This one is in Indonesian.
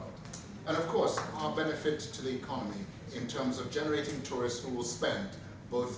dan tentunya kita dapat manfaat dari ekonomi dalam menjadikan turis yang akan berbelanja